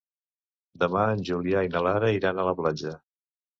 Demà en Julià i na Lara iran a la platja.